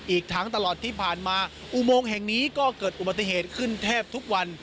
อีกทั้งตลอดที่ผ่านมาอุโมงแห่งนี้ก็เกิดอุบัติเหตุขึ้นแทบทุกวัน